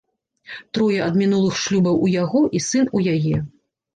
Трое ад мінулых шлюбаў у яго і сын у яе.